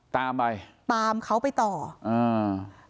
ตามไปตามเขาไปต่ออ่า